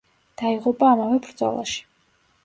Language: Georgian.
დაიღუპა ამავე ბრძოლაში.